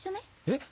えっ！？